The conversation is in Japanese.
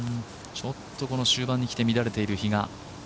ちょっとこの終盤にきて乱れている比嘉。